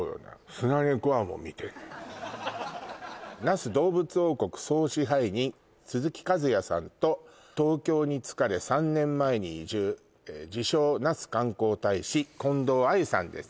スナネコはもう見てんの那須どうぶつ王国総支配人鈴木和也さんと東京に疲れ３年前に移住自称・那須観光大使近藤あゆさんです